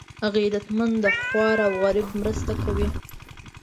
غیرتمند د خوار او غریب مرسته کوي